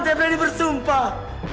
saya berani bersumpah